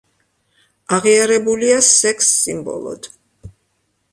აღიარებულია სექს სიმბოლოდ.